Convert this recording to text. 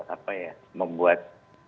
apa ya membuat